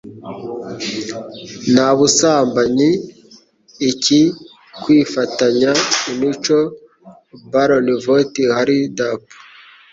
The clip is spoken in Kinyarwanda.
Na busambanyi iki kwifatanya imico Baron Von Hardup